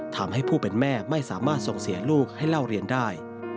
ทำให้ผู้เป็นแม่ไม่สามารถส่งเสียลูกให้เล่าเรียนได้